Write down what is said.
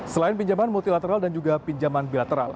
selain pinjaman multilateral dan juga pinjaman bilateral